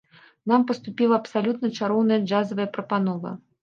Нам паступіла абсалютна чароўная джазавая прапанова.